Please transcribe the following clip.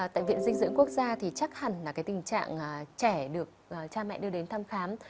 tại viện dinh dưỡng quốc gia thì chắc hẳn là cái tình trạng trẻ được cha mẹ đưa đến thăm khám